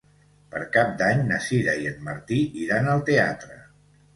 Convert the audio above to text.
Per Cap d'Any na Sira i en Martí iran al teatre.